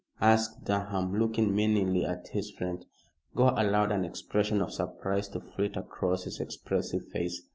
asked Durham, looking meaningly at his friend. Gore allowed an expression of surprise to flit across his expressive face.